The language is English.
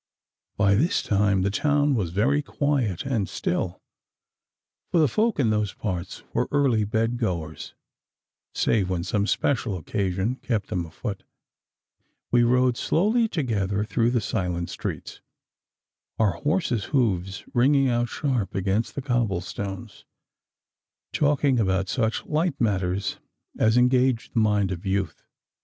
By this time the town was very quiet and still, for the folk in those parts were early bed goers, save when some special occasion kept them afoot. We rode slowly together through the silent streets, our horses' hoofs ringing out sharp against the cobble stones, talking about such light matters as engage the mind of youth.